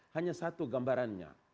hanya satu gambarannya